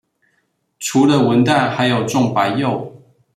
除了文旦還有種白柚